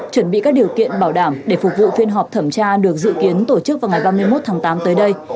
chuẩn bị các điều kiện bảo đảm để phục vụ phiên họp thẩm tra được dự kiến tổ chức vào ngày ba mươi một tháng tám tới đây